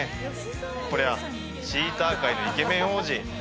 これはチーター界のイケメン王子